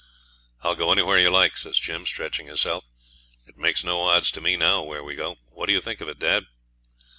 'I'll go anywhere you like,' says Jim, stretching himself. 'It makes no odds to me now where we go. What do you think of it, dad?'